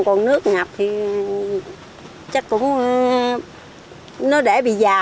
còn nước ngập thì chắc cũng nó để bị già